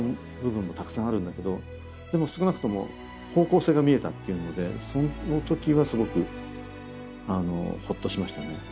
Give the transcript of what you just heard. でも少なくとも方向性が見えたっていうのでその時はすごくあのほっとしましたね。